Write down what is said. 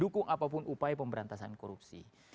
zaal pun upaya pemberantasan korupsi